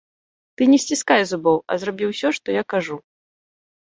Ты не сціскай зубоў, а зрабі ўсё, што я кажу.